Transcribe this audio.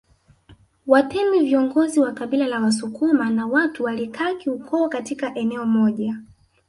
Watemi viongozi wa kabila la Wasukuma na watu walikaa kiukoo katika eneo moja